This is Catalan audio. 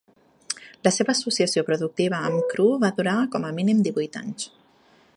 La seva associació productiva amb Crewe va durar com a mínim divuit anys.